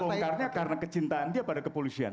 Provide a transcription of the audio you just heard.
dia membongkarnya karena kecintaan dia pada kepolisian